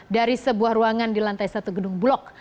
dari sebuah ruangan di lantai satu gedung bulog